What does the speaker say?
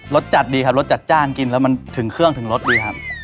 สจัดดีครับรสจัดจ้านกินแล้วมันถึงเครื่องถึงรสดีครับ